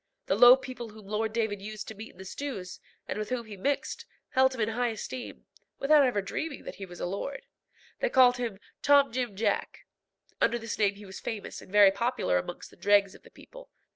The low people whom Lord David used to meet in the stews, and with whom he mixed, held him in high esteem, without ever dreaming that he was a lord. They called him Tom Jim Jack. Under this name he was famous and very popular amongst the dregs of the people.